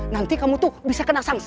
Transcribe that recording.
nanti kamu tuh bisa kena sanksi